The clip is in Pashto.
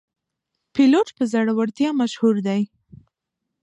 پیلوټ په زړورتیا مشهور دی.